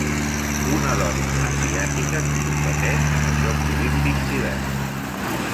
Una dona asiàtica que competeix en el Jocs Olímpics d'Hivern